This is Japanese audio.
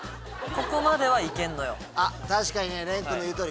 ここまではいけんのよ。